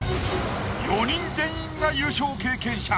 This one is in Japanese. ４人全員が優勝経験者。